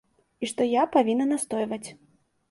І што я павінна настойваць.